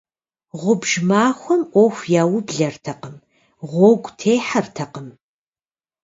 Гъубж махуэм Ӏуэху яублэртэкъым, гъуэгу техьэртэкъым.